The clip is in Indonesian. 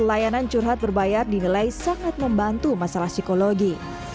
layanan curhat berbayar dinilai sangat membantu masalah psikologi